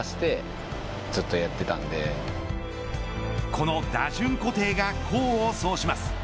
この打順固定が功を奏します。